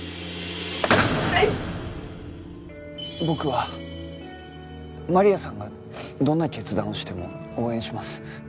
僕はマリアさんがどんな決断をしても応援します。